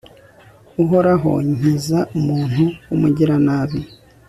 uhoraho, nkiza umuntu w'umugiranabi